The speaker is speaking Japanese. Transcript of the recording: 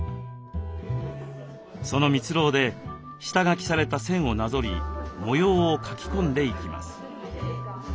その蜜ろうで下書きされた線をなぞり模様を描き込んでいきます。